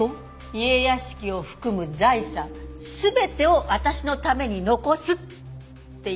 家屋敷を含む財産全てを私のために残すっていう内容をね。